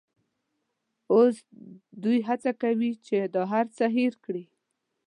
اوس دوی هڅه کوي چې دا هرڅه هېر کړي.